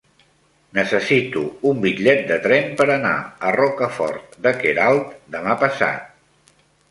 Necessito un bitllet de tren per anar a Rocafort de Queralt demà passat.